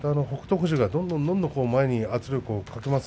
富士がどんどん前に圧力をかけます。